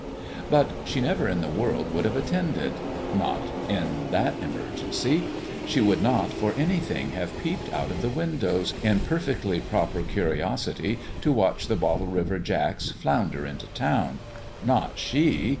But she never in the world would have attended. Not in that emergency ! She would not, for anything, have peeped out of the windows, in perfectly proper curiosity, to watch the Bottle River jacks flounder into town. Not she